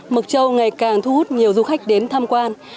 mộc châu ngày càng thu hút nhiều du khách đến tham quan